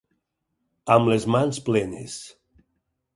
Amb les mans plenes.